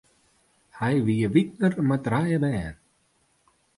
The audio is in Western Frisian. Hy wie widner mei trije bern.